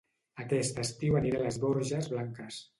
Aquest estiu aniré a Les Borges Blanques